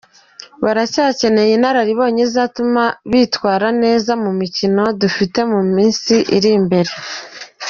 Baracyakeneye irararibonye izatuma bitwara neza mu mikino dufite mu minsi iri imbere”.